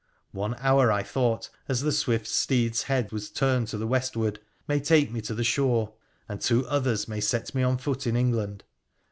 One hour, I thought, as the swift steed's head was turned to the westward, may take me to the shore, and two others may set me on foot in England.